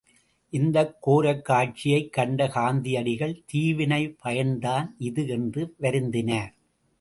இந்தக் கோரக் காட்சியைக் கண்ட காந்தியடிகள் தீவினைப் பயன்தான் இது என்று வருந்தினார்.